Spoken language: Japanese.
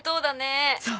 そう。